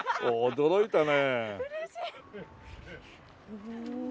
驚いたね。